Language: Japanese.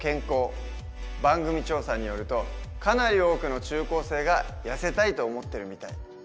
番組調査によるとかなり多くの中高生がやせたいと思ってるみたい。